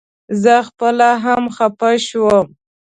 زه خپله هم خپه شوم.